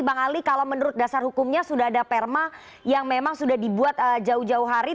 bang ali kalau menurut dasar hukumnya sudah ada perma yang memang sudah dibuat jauh jauh hari